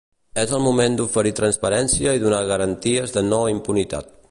És el moment d’oferir transparència i donar garanties de no-impunitat.